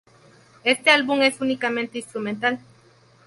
Éste álbum es únicamente instrumental.